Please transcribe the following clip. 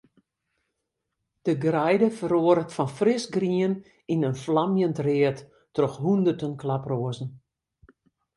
De greide feroaret fan frisgrien yn in flamjend read troch hûnderten klaproazen.